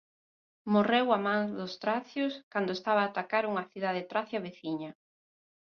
Morreu a mans dos tracios cando estaba a atacar unha cidade tracia veciña.